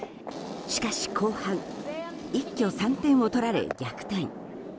しかし後半一挙３点を取られ逆転。